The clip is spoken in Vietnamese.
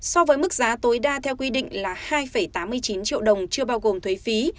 so với mức giá tối đa theo quy định là hai tám mươi chín triệu đồng chưa bao gồm thuế phí